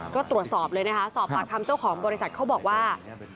ก็ตรวจสอบเลยนะคะสอบปากคำเจ้าของบริษัทเขาบอกว่า